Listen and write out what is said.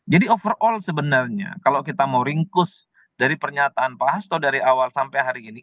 jadi overall sebenarnya kalau kita mau ringkus dari pernyataan pak hasto dari awal sampai hari ini